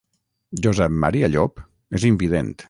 Josep Maria Llop és invident.